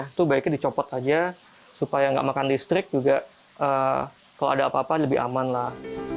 itu baiknya dicopot aja supaya nggak makan listrik juga kalau ada apa apa lebih aman lah